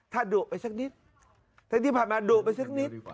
ท่านดูไปสักนิดท่านที่ผ่านมาดูไปสักนิด